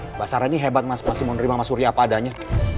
mbak surya ini hebat masih mau menerima mbak surya apa adanya